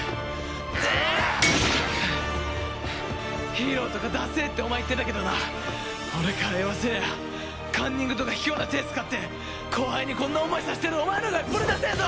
ヒーローとかだせえってお前言ってたけどな俺から言わせりゃカンニングとか卑怯な手ぇ使って後輩にこんな思いさせてるお前のほうがよっぽどだせえぞ！